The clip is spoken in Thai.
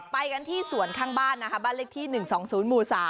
ไปกันที่สวนข้างบ้านนะคะบ้านเลขที่๑๒๐หมู่๓